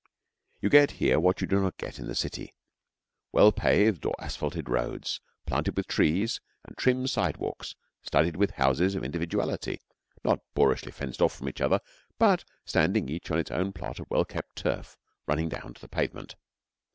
You get here what you do not get in the city well paved or asphalted roads, planted with trees, and trim side walks, studded with houses of individuality, not boorishly fenced off from each other, but standing each on its plot of well kept turf running down to the pavement.